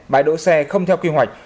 bái đỗ xe không theo kỳ hoạch